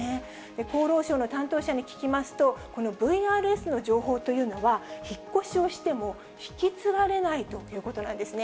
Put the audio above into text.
厚労省の担当者に聞きますと、このＶＲＳの情報というのは、引っ越しをしても引き継がれないということなんですね。